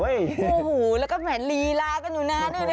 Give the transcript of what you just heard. โอ้โฮแล้วก็เลีลากันดู